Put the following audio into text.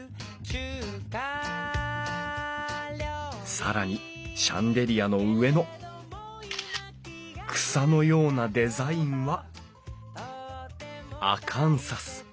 更にシャンデリアの上の草のようなデザインはアカンサス。